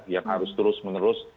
yang harus terus menerus